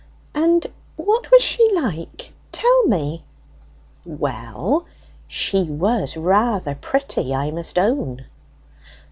"And what was she like? Tell me." "Well, she was rather pretty, I must own."